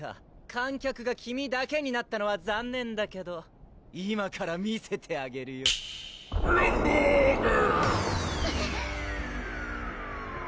観客が君だけになったのは残念だけど今から見せてあげるよランボーグ！